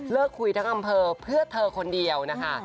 คุยทั้งอำเภอเพื่อเธอคนเดียวนะคะ